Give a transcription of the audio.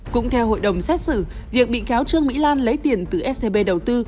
cũng theo hội đồng xét xử việc bị cáo trương mỹ lan lấy tiền từ scb đầu tư